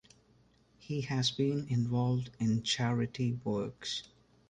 He has been involved in charity works.